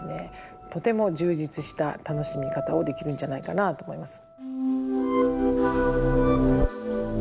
とても充実した楽しみ方をできるんじゃないかなと思います。